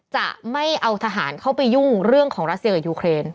จะไม่เอาทหารเข้าไปยุ่งเรื่องของรัสเซียกับยูเครน